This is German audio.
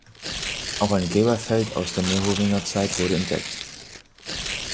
Auch ein Gräberfeld aus der Merowingerzeit wurde entdeckt.